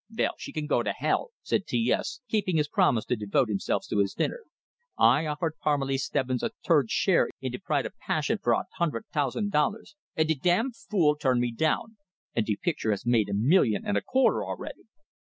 "Vell, she can go to hell!" said T S, keeping his promise to devote himself to his dinner. "I offered Parmelee Stebbins a tird share in 'De Pride o' Passion' fer a hunded tousand dollars, and de damn fool turned me down, and de picture has made a million and a quarter a'ready."